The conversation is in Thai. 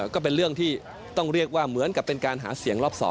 ก็เป็นเรื่องที่ต้องเรียกว่าเหมือนกับเป็นการหาเสียงรอบ๒